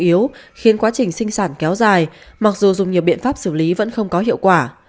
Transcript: chủ yếu khiến quá trình sinh sản kéo dài mặc dù dùng nhiều biện pháp xử lý vẫn không có hiệu quả